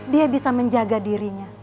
dia bisa menjaga dirinya